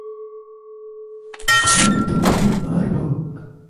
আমি তোমাকে মারব।